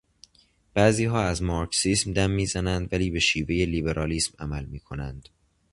بعضی ها از مارکسیسم دم میزنند ولی به شیوهٔ لیبرالیسم عمل میکنند.